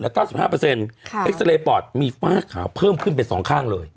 แล้ว๙๕เปอร์เซ็นต์เอ็กซาเรย์ปอดมีฝ้าขวาเพิ่มขึ้นเป็น๒ข้างเลย